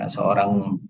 seorang anggota kerajaan